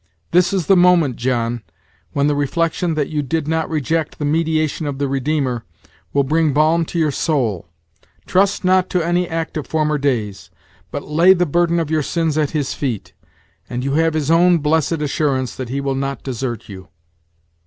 This is the moment, John, when the reflection that you did not reject the mediation of the Redeemer, will bring balm to your soul. Trust not to any act of former days, but lay the burden of your sins at his feet, and you have his own blessed assurance that he will not desert you."